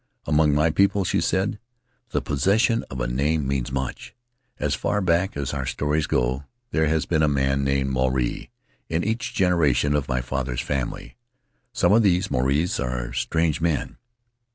"Among my people," she said, "the possession of a name means much. As far back as our stories go, there has been a man named Maruae in each genera tion of my father's family. Some of these Maruaes were strange men.